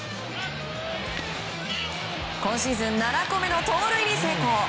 今シーズン７個目の盗塁に成功。